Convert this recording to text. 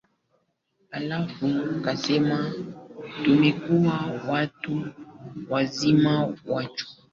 halafu akasema Tumekuwa watu wazima wa kutosha sasa Tunaweza kufanya hili Kwani kuna shida